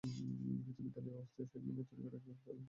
কিছু বিদ্যালয়ে অস্থায়ী শহীদ মিনার তৈরি করে একুশ পালন করা হচ্ছে।